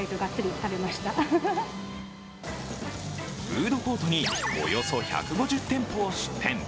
フードコートにおよそ１５０店舗を出店。